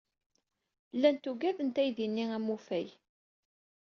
Llant ugadent aydi-nni amufay.